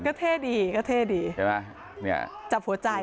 ก็เท่ดีก็เท่ดีใช่ไหมเนี่ยจับหัวใจ